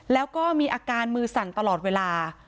แล้วก็มีอาการมือสั่นตลอดเวลา